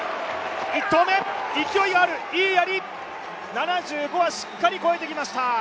１投目、勢いはある、７５はしっかり越えてきました。